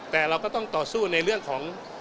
แต่เราก็ต้องต่อสู้ในเรื่องของ